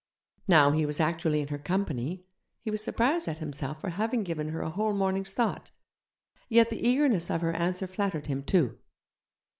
Now he was actually in her company, he was surprised at himself for having given her a whole morning's thought; yet the eagerness of her answer flattered him, too.